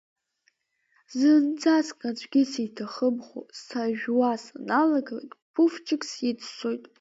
Зынӡаск аӡәгьы сиҭахымхо, сажәуа саналагалак, Пуфчик сиццоит.